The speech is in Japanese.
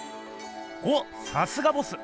おっさすがボス！